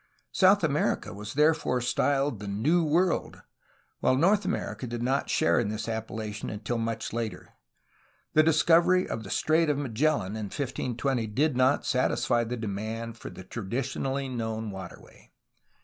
South America was therefore styled the ''New World," while North America did not share in this appella tion until much later. The discovery of the Strait of Ma gellan in 1520 did not satisfy the demand for the traditionally known waterway.